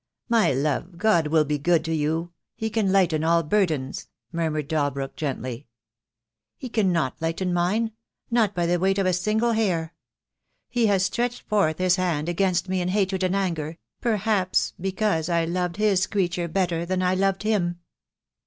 "My love, God will be good to you. He can lighten all burdens," murmured Mr. Dalbrook, gently. "He cannot lighten mine, not by the weight of a single hair. He has stretched forth His hand against me in hatred and anger, perhaps because I loved His creature better than I loved Him."